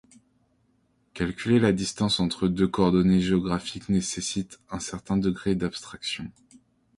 Calculer la distance entre deux coordonnées géographiques nécessite un certain degré d'abstraction.